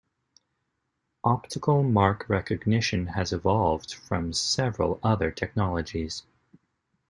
Optical mark recognition has evolved from several other technologies.